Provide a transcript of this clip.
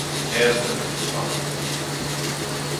É a escena como espazo de representación.